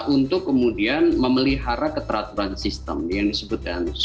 untuk kemudian memelihara keteraturan sistem yang disebutkan social justice